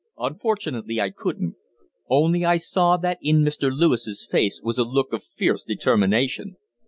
Unfortunately I couldn't. Only I saw that in Mr. Lewis's face was a look of fierce determination.